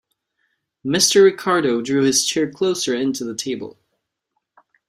Mr. Ricardo drew his chair closer in to the table.